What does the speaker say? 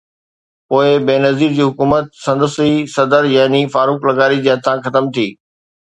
پوءِ بينظير جي حڪومت سندس ئي صدر يعني فاروق لغاري جي هٿان ختم ٿي.